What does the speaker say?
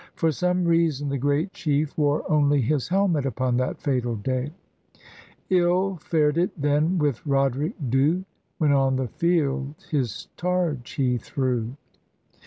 For some reason the great chief wore only his helmet upon that fatal day. "Ill fared it then with Roderick Dhu When on the field his targe he threw."